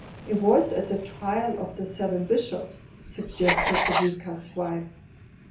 "It was at the trial of the seven bishops," suggested the Vicar's wife.